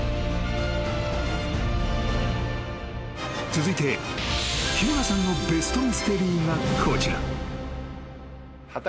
［続いて日村さんのベストミステリーがこちら］